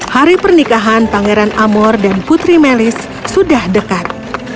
hari pernikahan pangeran amor dan putri melis sudah dekat